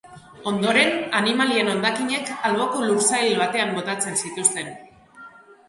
Ondoren, animalien hondakinak alboko lursail batean botatzen zituzten.